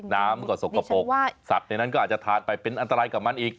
น้ำมันก็สกปรกสัตว์ในนั้นก็อาจจะทานไปเป็นอันตรายกับมันอีก